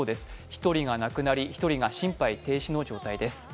１人が亡くなり１人が心肺停止の状態です。